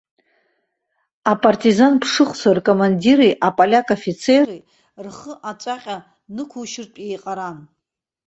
Апартизан ԥшыхәцәа ркомандири аполиак афицери рхы аҵәаҟьа нықәушьыртә еиҟаран.